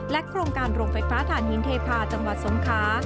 โครงการโรงไฟฟ้าฐานหินเทพาะจังหวัดสงครา